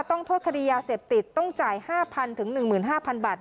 ต้องโทษคัดียาเสพติดต้องจ่ายห้าพันถึงหนึ่งหมื่นห้าพันบาท